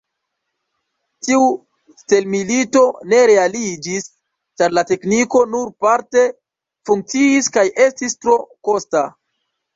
Tiu stelmilito ne realiĝis, ĉar la tekniko nur parte funkciis kaj estis tro kosta.